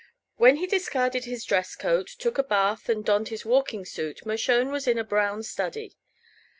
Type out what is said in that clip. While he discarded his dress coat, took a bath and donned his walking suit Mershone was in a brown study.